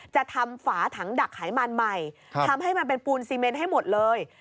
จะทำฝาถังดักไขมันใหม่ทำให้มันเป็นปูนซีเมนให้หมดเลย